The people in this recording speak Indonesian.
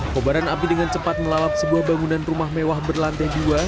kobaran api dengan cepat melalap sebuah bangunan rumah mewah berlantai dua